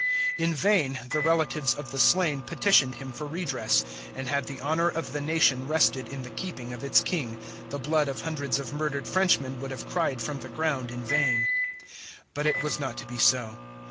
In vain the relatives of the slain petitioned him for redress; and had the honor of the nation rested in the keeping of its King, the blood of hundreds of murdered Frenchmen would have cried from the ground in vain. But it was not to be so.